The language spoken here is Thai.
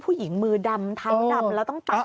ผู้หญิงมือดำเท้าดำแล้วต้องตัด